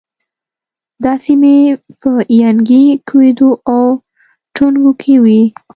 دا سیمې په ینګی، کویدو او ټونګو کې وې.